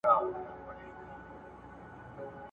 په زحمت به یې ایستله نفسونه!.